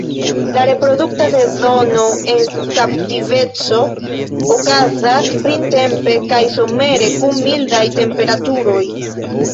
La reprodukta sezono en kaptiveco okazas printempe kaj somere kun mildaj temperaturoj.